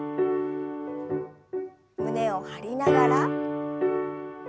胸を張りながら。